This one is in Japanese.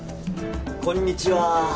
こんにちは